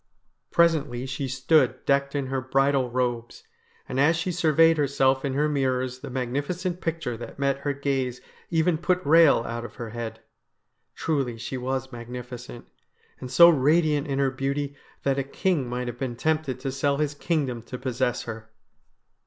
Presently she stood decked in her bridal robes, and as she surveyed herself in her mirrors the magnificent picture that met her gaze even put Eehel out of her head. Truly she was magnificent, and so radiant in her beauty that a king might have been tempted to sell his kingdom to possess her.